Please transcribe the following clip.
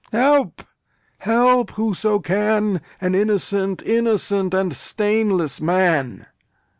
Help! Help, whoso can, An innocent, innocent and stainless man!"